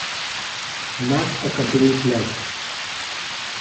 Not a complete list.